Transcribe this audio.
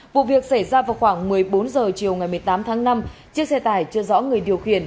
vụ việc xảy ra vào khoảng một mươi bốn h chiều ngày một mươi tám tháng năm chiếc xe tải chưa rõ người điều khiển